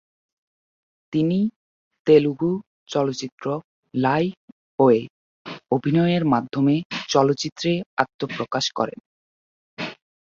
তিনি তেলুগু চলচ্চিত্র "লাই"য়ে অভিনয়ের মাধ্যমে চলচ্চিত্রে আত্মপ্রকাশ করেন।